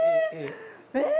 えっ！？